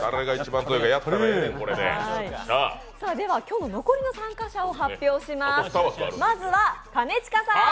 今日残りの参加者を発表します。